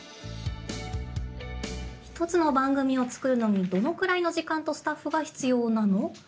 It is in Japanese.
１つの番組を作るのにどのくらいの時間とスタッフが必要なの？